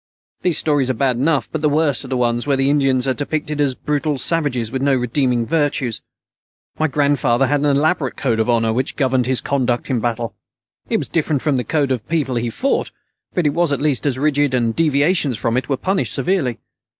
Those stories are bad enough. But the worst are the ones where the Indians are depicted as brutal savages with no redeeming virtues. My grandfather had an elaborate code of honor which governed his conduct in battle. It was different from the code of the people he fought, but it was at least as rigid, and deviations from it were punished severely.